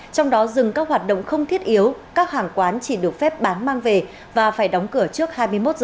trong đó dừng các hoạt động không thiết yếu các hàng quán chỉ được phép bán mang về và phải đóng cửa trước hai mươi một h